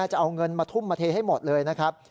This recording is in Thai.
จะเอาเงินมาทุ่มมาเทให้หมดเลยนะครับ